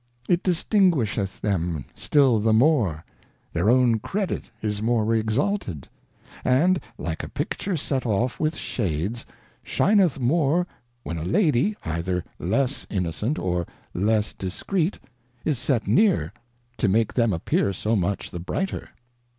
It distinguisheth them still the more : their own Credit is more exalted, and, like a Picture set ofE with Shades, shineth more when a Lady, either less Innocent, or less Discreet, is set near, to make them appear so much the brighter.